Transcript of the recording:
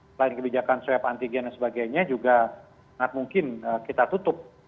selain kebijakan swab antigen dan sebagainya juga sangat mungkin kita tutup